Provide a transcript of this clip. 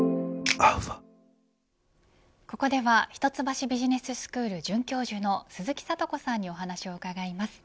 ここでは一橋ビジネススクール准教授の鈴木智子さんにお話を伺います。